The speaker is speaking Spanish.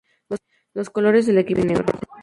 Los colores del equipo son rojo y negro.